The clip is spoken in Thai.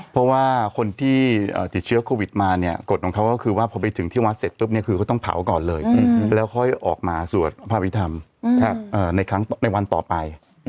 เพราะว่าคนที่ติดเชื้อโควิดมาเนี่ยกฎของเขาก็คือว่าพอไปถึงที่วัดเสร็จปุ๊บเนี่ยคือเขาต้องเผาก่อนเลยแล้วค่อยออกมาสวดพระอภิษฐรรมในวันต่อไป